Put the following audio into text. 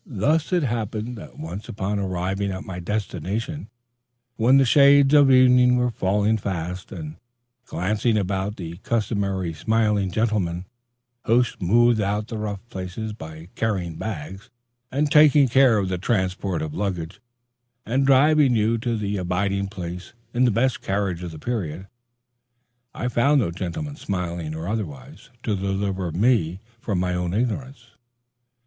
Thus it happened that once upon arriving at my destination when the shades of evening were falling fast, and glancing about for the customary smiling gentlemen who smooth out the rough places by carrying bags, superintending the transportation of luggage, and driving you to your abiding place in the best carriage of the period, I found no gentlemen, smiling or otherwise, to deliver me from my own ignorance.